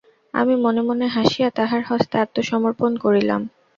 আমি মনে মনে হাসিয়া তাহার হস্তে আত্মসমর্পণ করিলাম।